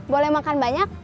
boleh makan banyak